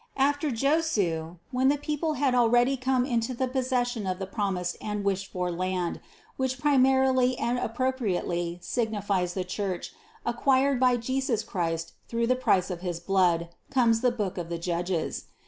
THE CONCEPTION 135 153. After Josue, when the people had already come into the possession of the promised and wished for land, which primarily and appropriately signifies the Church acquired by Jesus Christ through the price of his blood, comes the book of the Judges.